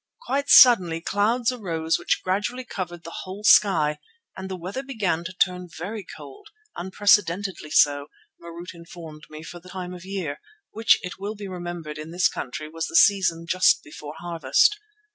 Quite suddenly clouds arose which gradually covered the whole sky and the weather began to turn very cold, unprecedentedly so, Marût informed me, for the time of year, which, it will be remembered, in this country was the season just before harvest.